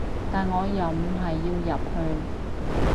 但我又唔係要入去